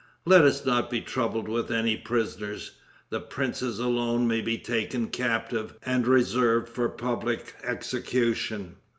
Let us not be troubled with any prisoners. The princes alone may be taken captive, and reserved for public execution."